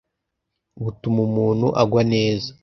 Butuma umuntu agwa neza